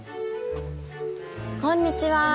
こんにちは。